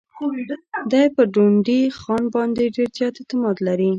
دی پر ډونډي خان باندي ډېر زیات اعتماد لري.